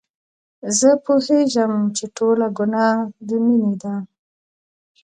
زه پوهېږم چې ټوله ګناه د مينې ده.